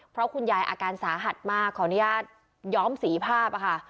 เพราะคุณยายอาการสาหัสมากขออนุญาตย้อมสีภาพค่ะ